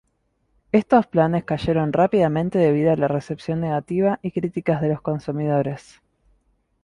Estos planes cayeron rápidamente debido a la recepción negativa y críticas de los consumidores.